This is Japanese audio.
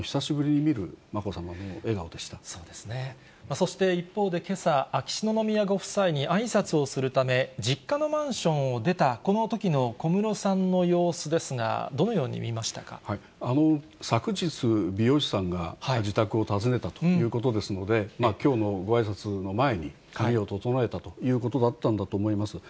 そして一方で、けさ、秋篠宮ご夫妻にあいさつをするため、実家のマンションを出たこのときの小室さんの様子ですが、どのよ昨日、美容師さんが自宅を訪ねたということですので、きょうのごあいさつの前に、髪を整えたということだったんだと思います。